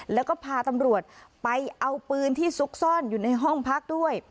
แล้วก็พาตำรวจไปเอาปืนที่ซุกซ่อนอยู่ในห้องพักด้วย